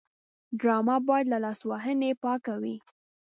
ډرامه باید له لاسوهنې پاکه وي